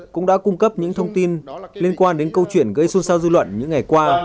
cũng đã cung cấp những thông tin liên quan đến câu chuyện gây xôn xao dư luận những ngày qua